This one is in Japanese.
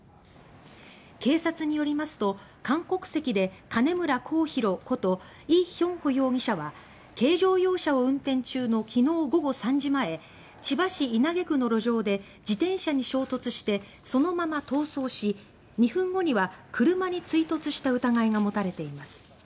警察によりますと韓国籍で金村こう皓ことイ・ヒョンホ容疑者は軽乗用車を運転中の昨日午後３時前千葉市稲毛区の路上で自転車に衝突してそのまま逃走し２分後には車に追突した疑いが持たれています。